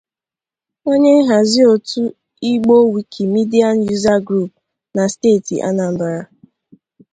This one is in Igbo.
onye nhazi òtù 'Igbo Wikimedian User Group' na steeti Anambra